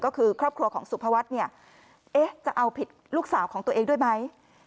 ก็คือครอบครัวของสุภวัฒน์เนี่ยเอ๊ะจะเอาผิดลูกสาวของตัวเองด้วยไหม